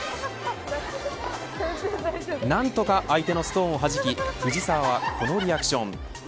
何とか相手のストーンをはじき藤澤はこのリアクション。